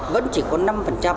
vẫn chỉ có năm